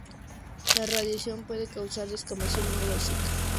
La radiación puede causar descamación húmeda o seca.